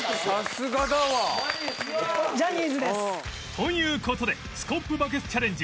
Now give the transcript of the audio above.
という事でスコップバケツチャレンジ